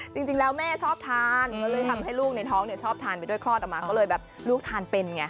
จริงแล้วแม่ชอบทานก็เลยทำให้ลูกในท้องเนี่ยชอบทานไปด้วยคลอดออกมาก็เลยแบบลูกทานเป็นไง